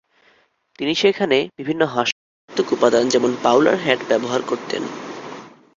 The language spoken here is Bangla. তিনি সেখানে বিভিন্ন হাস্যরসাত্মক উপাদান, যেমন বাউলার হ্যাট ব্যবহার করতেন।